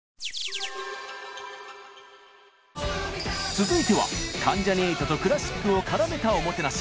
続いては関ジャニ∞とクラシックを絡めたおもてなし。